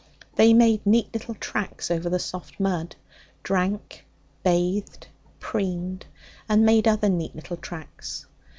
They made neat little tracks over the soft mud, drank, bathed, preened, and made other neat little tracks.